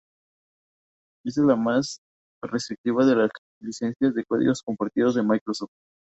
Esta es la más restrictiva de las licencias de código compartido de Microsoft.